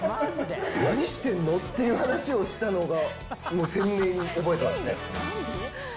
何してんの？っていう話をしたのが、鮮明に覚えてますね。